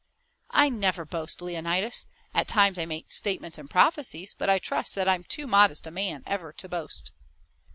"I never boast, Leonidas. At times I make statements and prophecies, but I trust that I'm too modest a man ever to boast."